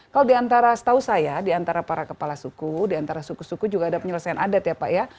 kalau diantara setahu saya diantara para kepala suku diantara suku suku juga ada penyelesaian adat ya pak ya